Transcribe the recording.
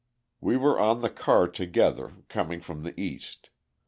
We were on the car together, coming from the East.